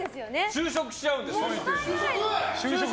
就職しちゃうんです。